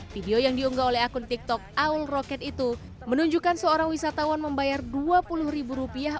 video yang diunggah oleh akun tiktok aul roket itu menunjukkan seorang wisatawan membayar dua puluh ribu rupiah